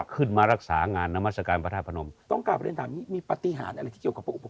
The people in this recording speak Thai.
ขึ้นมารักษางานน้ำมาสกาลพระท่านภารคม